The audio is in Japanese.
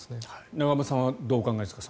永濱さんはどうお考えですか。